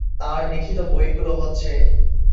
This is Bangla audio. তার লিখিত বইগুলো হচ্ছে,